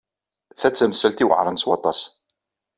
Ta d tamsalt iweɛṛen s waṭas.